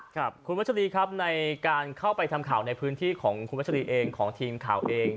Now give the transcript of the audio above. ครับคุณวัชรีครับในการเข้าไปทำข่าวในพื้นที่ของคุณวัชรีเองของทีมข่าวเอง